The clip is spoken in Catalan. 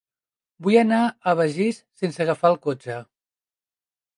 Vull anar a Begís sense agafar el cotxe.